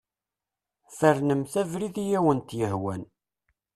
Fernemt abrid i awent-yehwan.